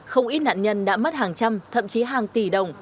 không ít nạn nhân đã mất hàng trăm thậm chí hàng tỷ đồng